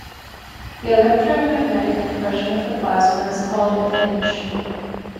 The electromagnetic compression of the plasma is called a "pinch".